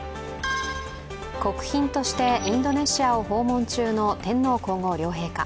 国賓としてインドネシアを訪問中の天皇皇后両陛下。